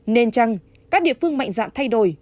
nên chăng các địa phương mạnh dạng thay đổi